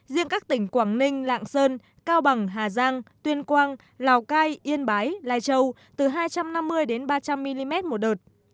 riêng các tỉnh quảng ninh lạng sơn cao bằng hà giang tuyên quang lào cai yên bái lai châu từ hai trăm năm mươi đến ba trăm linh mm một đợt